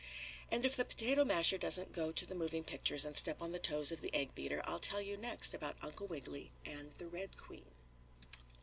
And if the potato masher doesn't go to the moving pictures and step on the toes of the egg beater I'll tell you next about Uncle Wiggily and the Red Queen.